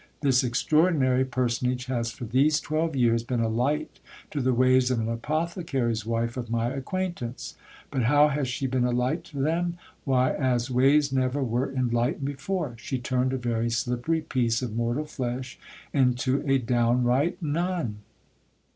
This extraordinary personage has for these twelve years been a light to the ways of an apothecary's wife of my acquaintance ; but how has she been a light to them ?.... why, as ways never were enlightened before : she turned a very slippery piece of mortal flesh into a downright nun.